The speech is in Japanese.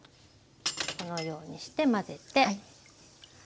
このようにして混ぜて。